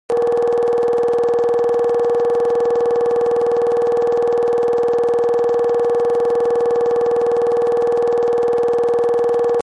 Игу къокӀыж сэдэкъэ махуэр… Адэм ар къызэрилъытэр и къуэм тхьэлъэӀу хуищӀут.